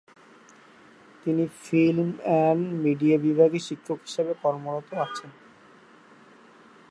তিনি film and media বিভাগে শিক্ষক হিসেবে কর্মরত আছেন।